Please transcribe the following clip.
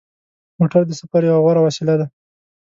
موټر د سفر یوه غوره وسیله ده.